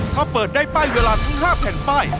ถ้าเปิดได้ป้ายเวลาทั้ง๕แผ่นป้าย